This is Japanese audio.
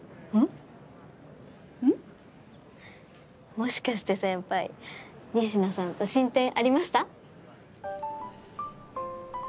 もしかして先輩仁科さんと進展ありました？